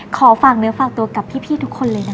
ขอฝากเนื้อฝากตัวกับพี่ทุกคนเลยนะคะ